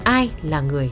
ai là người